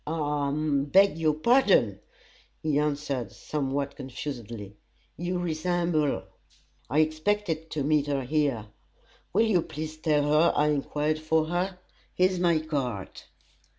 "I I beg your pardon," he answered, somewhat confusedly. "You resemble her; I expected to meet her here. Will you please tell her I enquired for her? Here's my card!"